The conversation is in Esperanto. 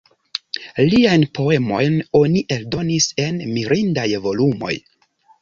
Liajn poemojn oni eldonis en mirindaj volumoj.